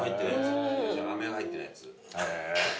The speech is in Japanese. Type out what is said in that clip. あめの入ってないやつ。